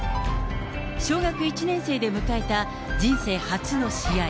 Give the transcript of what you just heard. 小学１年生で迎えた人生初の試合。